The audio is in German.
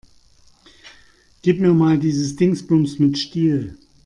Gib mir mal dieses Dingsbums mit Stiel.